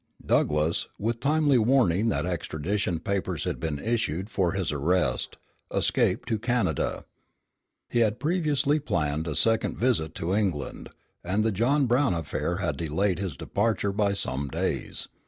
Douglass, with timely warning that extradition papers had been issued for his arrest, escaped to Canada. He had previously planned a second visit to England, and the John Brown affair had delayed his departure by some days.